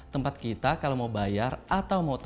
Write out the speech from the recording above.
tempat kita kalau mau bayar atau mau